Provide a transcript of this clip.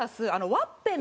ワッペン！